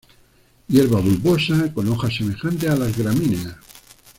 Hierba bulbosa, con hojas semejantes a las gramíneas.